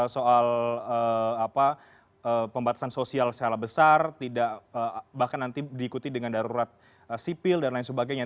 soal pembatasan sosial skala besar bahkan nanti diikuti dengan darurat sipil dan lain sebagainya